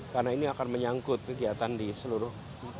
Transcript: karena ini akan menyangkut kegiatan di seluruh